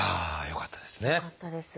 よかったです。